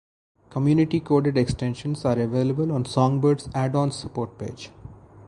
Community coded extensions are available on Songbird's addons support page.